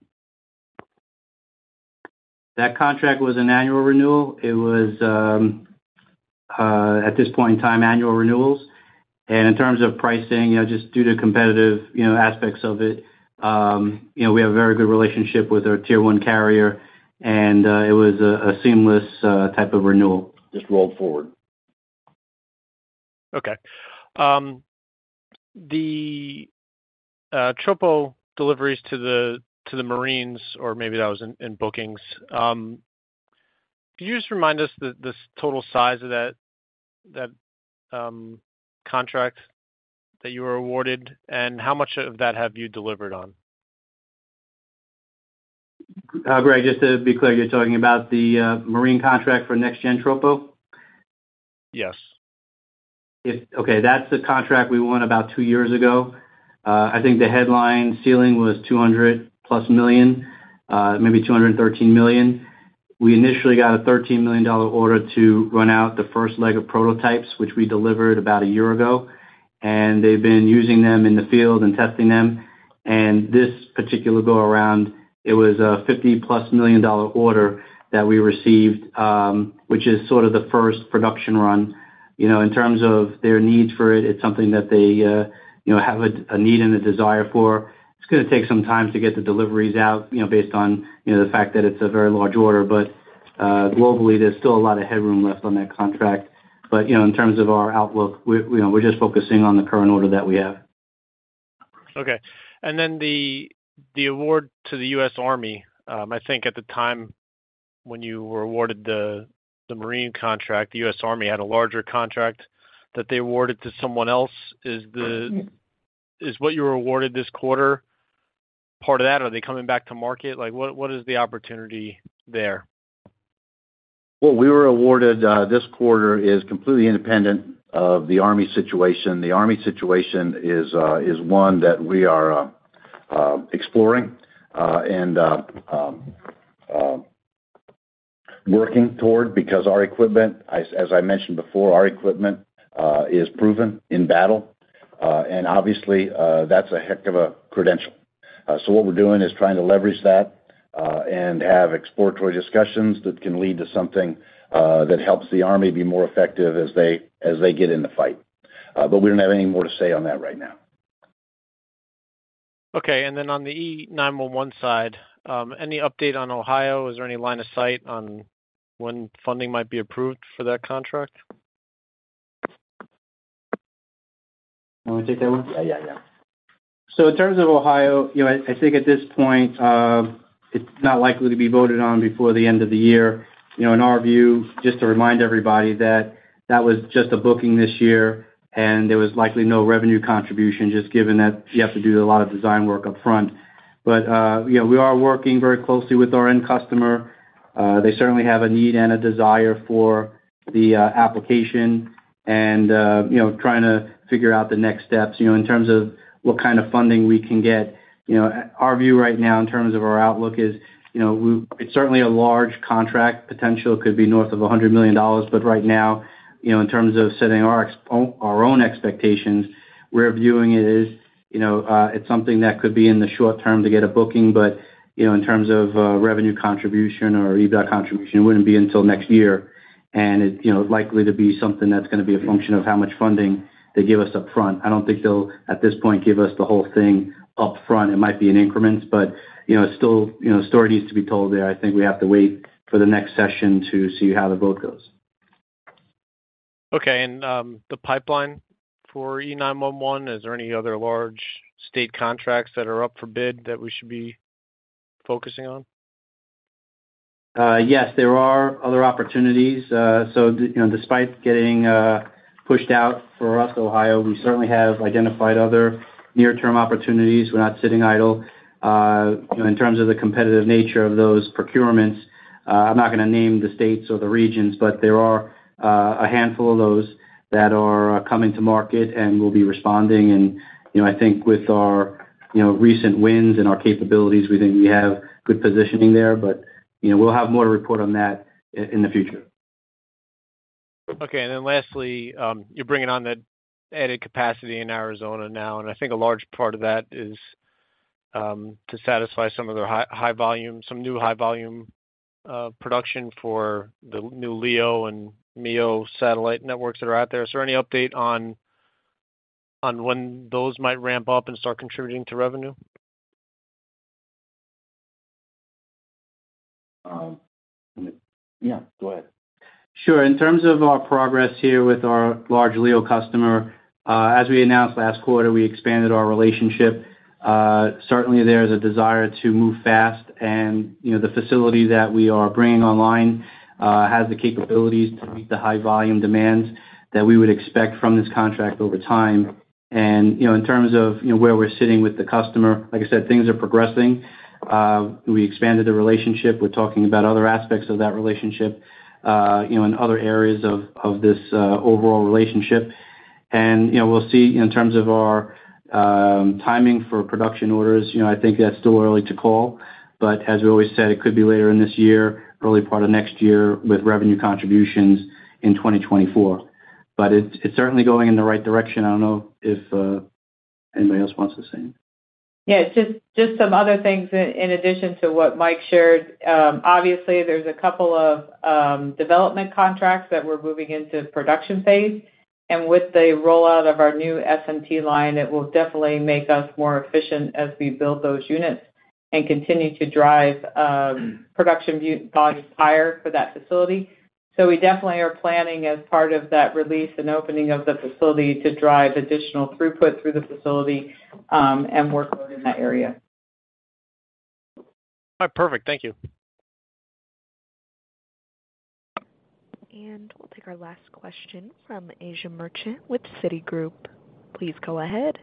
That contract was an annual renewal. It was, at this point in time, annual renewals. In terms of pricing, you know, just due to competitive, you know, aspects of it, you know, we have a very good relationship with our tier one carrier, it was a seamless type of renewal, just rolled forward. The Tropos deliveries to the Marines, or maybe that was in bookings. Could you just remind us the total size of that contract that you were awarded, and how much of that have you delivered on? Greg, just to be clear, you're talking about the Marine contract for Next Generation Troposcatter? Yes. Okay. That's the contract we won about two years ago. I think the headline ceiling was $200+ million, maybe $213 million. We initially got a $13 million order to run out the first leg of prototypes, which we delivered about a year ago, and they've been using them in the field and testing them. This particular go around, it was a $50+ million order that we received, which is sort of the first production run. You know, in terms of their needs for it's something that they, you know, have a need and a desire for. It's gonna take some time to get the deliveries out, you know, based on, you know, the fact that it's a very large order. Globally, there's still a lot of headroom left on that contract. You know, in terms of our outlook, we, you know, we're just focusing on the current order that we have. Okay. The award to the U.S. Army. I think at the time when you were awarded the Marine contract, the U.S. Army had a larger contract that they awarded to someone else. Mm-hmm. Is what you awarded this quarter part of that, or are they coming back to market? Like, what is the opportunity there? What we were awarded this quarter is completely independent of the Army situation. The Army situation is one that we are exploring and working toward because our equipment as I mentioned before, our equipment is proven in battle. Obviously, that's a heck of a credential. What we're doing is trying to leverage that and have exploratory discussions that can lead to something that helps the Army be more effective as they get in the fight. We don't have any more to say on that right now. Okay. Then on the E911 side, any update on Ohio? Is there any line of sight on when funding might be approved for that contract? You want me to take that one? Yeah. In terms of Ohio, you know, I think at this point, it's not likely to be voted on before the end of the year. You know, in our view, just to remind everybody that that was just a booking this year, and there was likely no revenue contribution just given that you have to do a lot of design work upfront. We are working very closely with our end customer. They certainly have a need and a desire for the application and, you know, trying to figure out the next steps, you know, in terms of what kind of funding we can get. You know, our view right now in terms of our outlook is, you know, it's certainly a large contract potential, could be north of $100 million. Right now, you know, in terms of setting our own expectations, we're viewing it as, you know, it's something that could be in the short term to get a booking. You know, in terms of revenue contribution or EBITDA contribution, it wouldn't be until next year. It, you know, likely to be something that's gonna be a function of how much funding they give us upfront. I don't think they'll, at this point, give us the whole thing upfront. It might be in increments, but, you know, it's still, you know, story needs to be told there. I think we have to wait for the next session to see how the vote goes. Okay. The pipeline for E911, is there any other large state contracts that are up for bid that we should be focusing on? Yes, there are other opportunities. You know, despite getting pushed out for us, Ohio, we certainly have identified other near-term opportunities. We're not sitting idle. You know, in terms of the competitive nature of those procurements, I'm not gonna name the states or the regions, but there are a handful of those that are coming to market, and we'll be responding and, you know, I think with our, you know, recent wins and our capabilities, we think we have good positioning there. You know, we'll have more to report on that in the future. Okay. Lastly, you're bringing on that added capacity in Arizona now. I think a large part of that is to satisfy some of their high volume, some new high volume production for the new LEO and MEO satellite networks that are out there. Is there any update on when those might ramp up and start contributing to revenue? Yeah. Go ahead. Sure. In terms of our progress here with our large LEO customer, as we announced last quarter, we expanded our relationship. Certainly, there's a desire to move fast and, you know, the facility that we are bringing online, has the capabilities to meet the high volume demands that we would expect from this contract over time. You know, in terms of, you know, where we're sitting with the customer, like I said, things are progressing. We expanded the relationship. We're talking about other aspects of that relationship, you know, in other areas of this, overall relationship. You know, we'll see in terms of our, timing for production orders. You know, I think that's still early to call. As we always said, it could be later in this year, early part of next year with revenue contributions in 2024. It's certainly going in the right direction. I don't know if anybody else wants to say anything. Yeah. Just some other things in addition to what Mike shared. Obviously, there's a couple of development contracts that we're moving into production phase. With the rollout of our new SMT line, it will definitely make us more efficient as we build those units and continue to drive production volumes higher for that facility. We definitely are planning as part of that release and opening of the facility to drive additional throughput through the facility, and workload in that area. All right. Perfect. Thank you. We'll take our last question from Asiya Merchant with Citigroup. Please go ahead.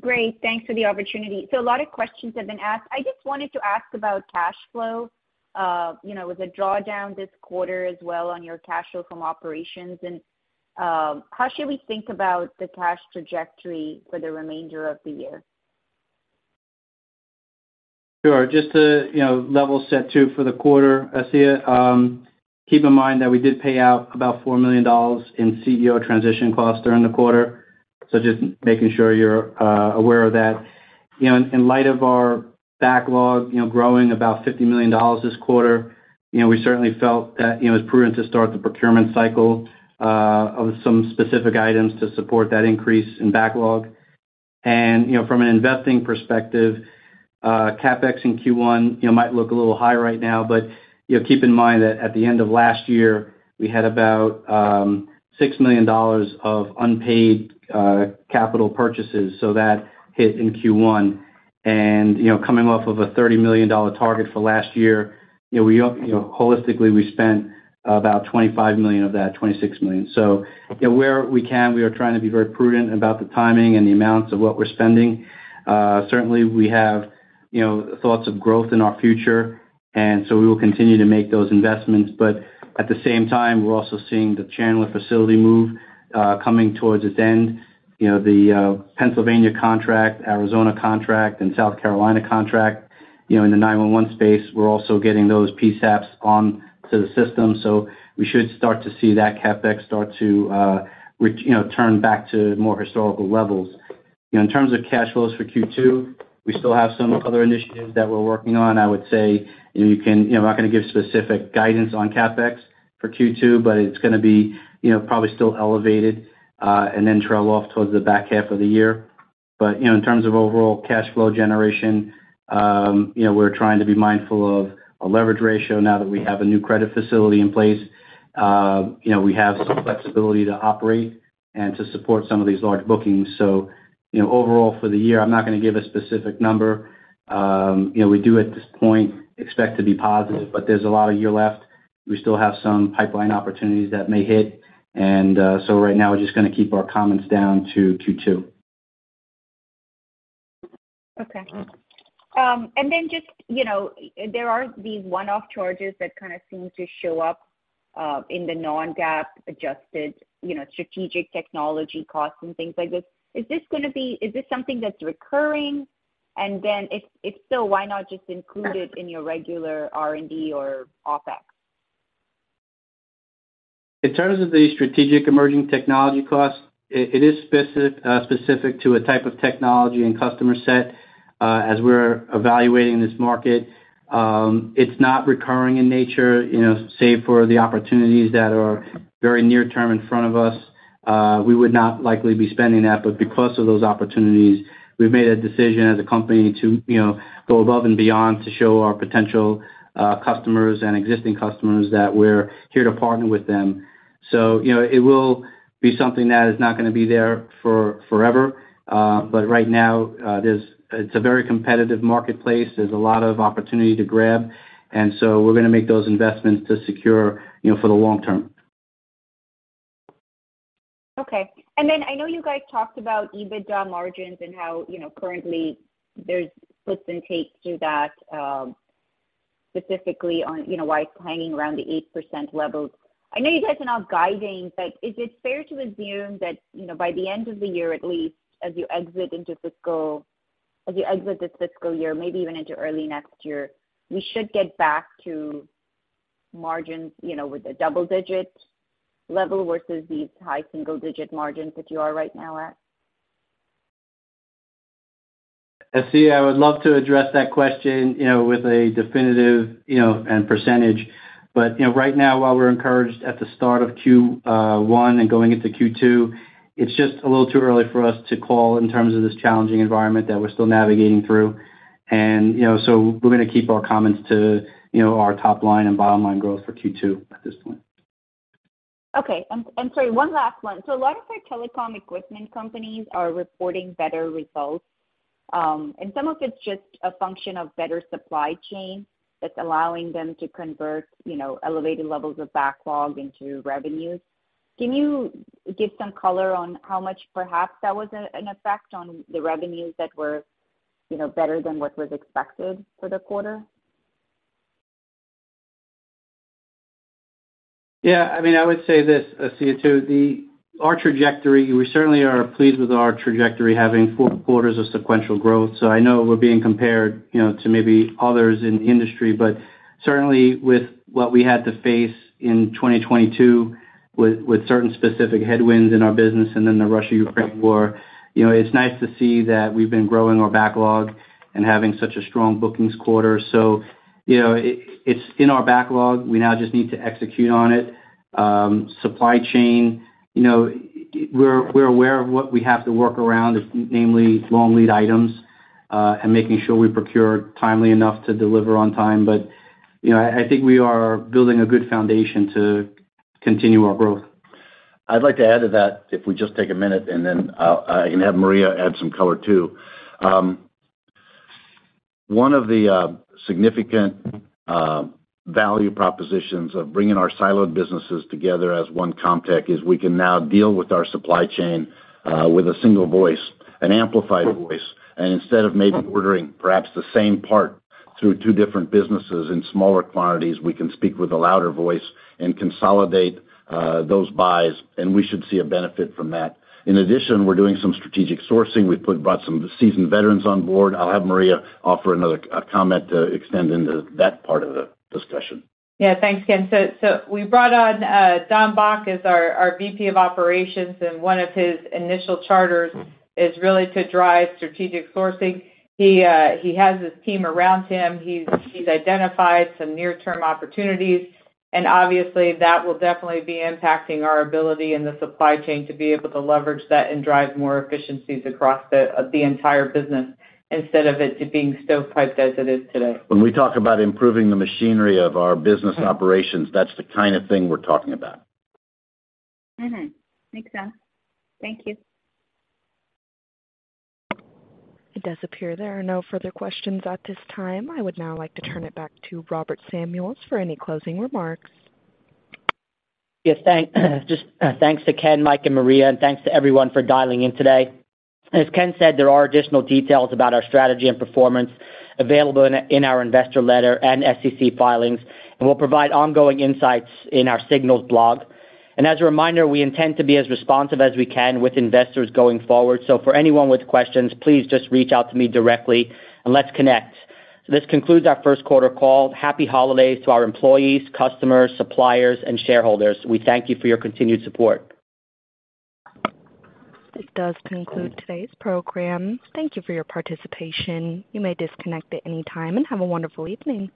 Great. Thanks for the opportunity. A lot of questions have been asked. I just wanted to ask about cash flow, you know, with the drawdown this quarter as well on your cash flow from operations. How should we think about the cash trajectory for the remainder of the year? Sure. Just to, you know, level set too for the quarter, Asiya, keep in mind that we did pay out about $4 million in CEO transition costs during the quarter. Just making sure you're aware of that. You know, in light of our backlog, you know, growing about $50 million this quarter, you know, we certainly felt that, you know, it's prudent to start the procurement cycle of some specific items to support that increase in backlog. You know, from an investing perspective, CapEx in Q1, you know, might look a little high right now, but, you know, keep in mind that at the end of last year, we had about $6 million of unpaid capital purchases, so that hit in Q1. You know, coming off of a $30 million target for last year, you know, holistically, we spent about $25 million of that, $26 million. You know, where we can, we are trying to be very prudent about the timing and the amounts of what we're spending. Certainly, we have, you know, thoughts of growth in our future, and so we will continue to make those investments. At the same time, we're also seeing the Chandler facility move, coming towards its end, you know, the Pennsylvania contract, Arizona contract, and South Carolina contract, you know, in the 911 space. We're also getting those PSAPs onto the system, so we should start to see that CapEx start to, which, you know, turn back to more historical levels. In terms of cash flows for Q2, we still have some other initiatives that we're working on. I would say, you know, You know, I'm not gonna give specific guidance on CapEx for Q2, but it's gonna be, you know, probably still elevated, and then trail off towards the back half of the year. You know, in terms of overall cash flow generation, you know, we're trying to be mindful of a leverage ratio now that we have a new credit facility in place. You know, we have some flexibility to operate and to support some of these large bookings. You know, overall for the year, I'm not gonna give a specific number. You know, we do at this point expect to be positive, but there's a lot of year left. We still have some pipeline opportunities that may hit. Right now we're just gonna keep our comments down to Q2. Okay. Just, you know, there are these one-off charges that kind of seem to show up, in the non-GAAP adjusted, you know, strategic technology costs and things like this. Is this something that's recurring? If, if so, why not just include it in your regular R&D or OpEx? In terms of the strategic emerging technology costs, it is specific to a type of technology and customer set as we're evaluating this market. It's not recurring in nature, you know, save for the opportunities that are very near-term in front of us. We would not likely be spending that, but because of those opportunities, we've made a decision as a company to, you know, go above and beyond to show our potential customers and existing customers that we're here to partner with them. You know, it will be something that is not gonna be there for forever. But right now, it's a very competitive marketplace. There's a lot of opportunity to grab. We're gonna make those investments to secure, you know, for the long term. Okay. I know you guys talked about EBITDA margins and how, you know, currently there's puts and takes to that, specifically on, you know, why it's hanging around the 8% level. I know you guys are not guiding, but is it fair to assume that, you know, by the end of the year at least, as you exit this fiscal year, maybe even into early next year, we should get back to margins, you know, with a double-digit level versus these high single-digit margins that you are right now at? Asiya, I would love to address that question, you know, with a definitive, you know, and percentage. You know, right now, while we're encouraged at the start of Q1 and going into Q2, it's just a little too early for us to call in terms of this challenging environment that we're still navigating through. You know, so we're gonna keep our comments to, you know, our top line and bottom line growth for Q2 at this point. Okay. Sorry, one last one. A lot of our telecom equipment companies are reporting better results, and some of it's just a function of better supply chain that's allowing them to convert, you know, elevated levels of backlog into revenues. Can you give some color on how much perhaps that was an effect on the revenues that were, you know, better than what was expected for the quarter? Yeah. I mean, I would say this, Asiya, too. Our trajectory, we certainly are pleased with our trajectory having four quarters of sequential growth. I know we're being compared, you know, to maybe others in the industry, but certainly with what we had to face in 2022 with certain specific headwinds in our business and then the Russia-Ukraine war, you know, it's nice to see that we've been growing our backlog and having such a strong bookings quarter. You know, it's in our backlog. We now just need to execute on it. Supply chain, you know, we're aware of what we have to work around, namely long lead items, and making sure we procure timely enough to deliver on time. You know, I think we are building a good foundation to continue our growth. I'd like to add to that if we just take a minute, then I'll, I can have Maria add some color too. One of the significant value propositions of bringing our siloed businesses together as One Comtech is we can now deal with our supply chain with a single voice, an amplified voice. Instead of maybe ordering perhaps the same part through two different businesses in smaller quantities, we can speak with a louder voice and consolidate those buys, and we should see a benefit from that. In addition, we're doing some strategic sourcing. We've brought some seasoned veterans on board. I'll have Maria offer another comment to extend into that part of the discussion. Yeah. Thanks, Ken. We brought on Don Bach as our VP of Operations, and one of his initial charters is really to drive strategic sourcing. He has his team around him. He's identified some near-term opportunities, and obviously that will definitely be impacting our ability in the supply chain to be able to leverage that and drive more efficiencies across the entire business instead of it to being stovepiped as it is today. When we talk about improving the machinery of our business operations, that's the kind of thing we're talking about. Makes sense. Thank you. It does appear there are no further questions at this time. I would now like to turn it back to Robert Samuels for any closing remarks. Yes, just thanks to Ken, Mike, and Maria, and thanks to everyone for dialing in today. As Ken said, there are additional details about our strategy and performance available in our investor letter and SEC filings, and we'll provide ongoing insights in our Signals blog. As a reminder, we intend to be as responsive as we can with investors going forward. For anyone with questions, please just reach out to me directly, and let's connect. This concludes our first quarter call. Happy holidays to our employees, customers, suppliers, and shareholders. We thank you for your continued support. This does conclude today's program. Thank you for your participation. You may disconnect at any time, have a wonderful evening.